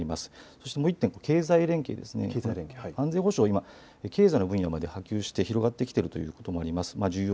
そしてもう１点、経済連携、安全保障は今、経済の分野まで波及して、広がっているきているということもあります。